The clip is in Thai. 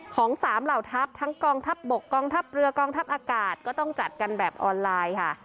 ของสามเหล่าทัพทั้งกองทัพบกกองทัพเรือกองทัพอากาศก็ต้องจัดกันแบบออนไลน์ค่ะ